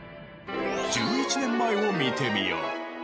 １１年前を見てみよう。